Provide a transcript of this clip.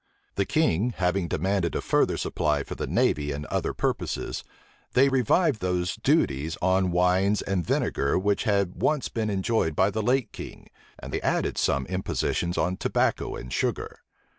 The king having demanded a further supply for the navy and other purposes, they revived those duties on wines and vinegar which had once been enjoyed by the late king; and they added some impositions on tobacco and sugar.